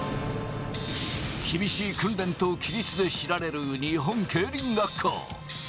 厳しい訓練と規律で知られる日本競輪学校。